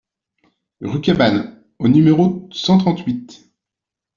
Rue Cabanes au numéro cent trente-huit